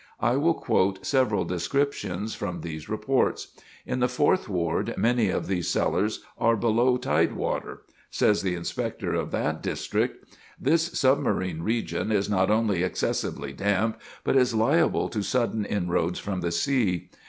I will quote several descriptions from these reports. In the Fourth Ward many of these cellars are below tide water. Says the Inspector of that district: "This submarine region is not only excessively damp, but is liable to sudden inroads from the sea.